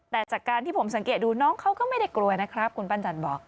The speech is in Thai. แต่จากการที่ผมสังเกตดูน้องเขาก็ไม่ได้กลัวนะครับคุณปั้นจันทร์บอก